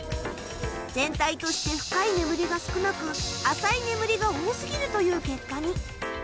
全体として深い眠りが少なく浅い眠りが多過ぎるという結果に。